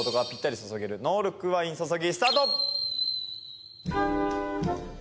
注げるノールックワイン注ぎ。